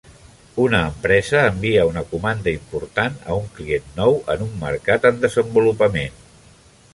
Una empresa envia una comanda important a un client nou en un mercat en desenvolupament.